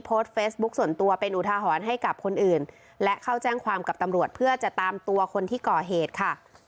โพสต์เฟซบุ๊คส่วนตัวเป็นอุทาหรณ์ให้กับคนอื่นและเข้าแจ้งความกับตำรวจเพื่อจะตามตัวคนที่ก่อเหตุค่ะ